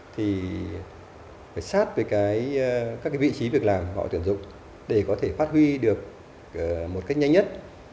thì phải sát với các vị trí việc làm họ tuyển dụng để có thể phát huy được một cách nhanh nhất